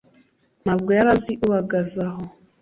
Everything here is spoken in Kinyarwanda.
ntabwo yari azi uhagaze aho